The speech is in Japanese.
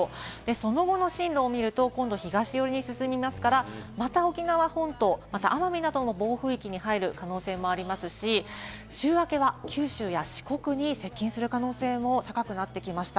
その後の進路を見ると東寄りに進みますから、また沖縄本島、奄美なども暴風域に入る可能性もありますし、週明けは九州や四国に接近する可能性も高くなってきました。